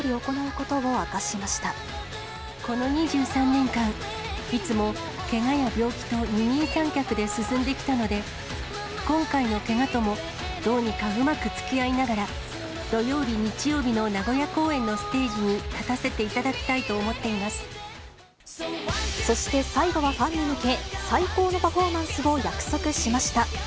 この２３年間、いつもけがや病気と二人三脚で進んできたので、今回のけがとも、どうにかうまくつきあいながら、土曜日、日曜日の名古屋公演のステージに立たせていただきたいと思っていそして最後はファンに向け、最高のパフォーマンスを約束しました。